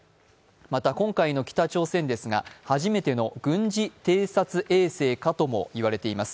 また、今回の北朝鮮ですが初めての軍事偵察衛星かともいわれています。